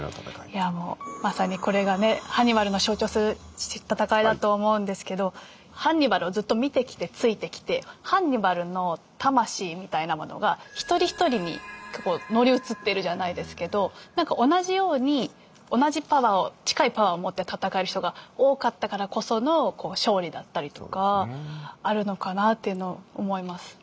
いやもうまさにこれがねハンニバルの象徴する戦いだと思うんですけどハンニバルをずっと見てきてついてきてハンニバルの魂みたいなものが一人一人に結構乗り移ってるじゃないですけど同じように同じパワーを近いパワーを持って戦える人が多かったからこその勝利だったりとかあるのかなっていうのを思います。